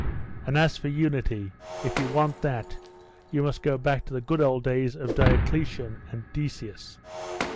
And as for unity, if you want that, you must go back to the good old times of Dioclesian and Decius.